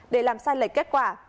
để làm sai lệch kết quả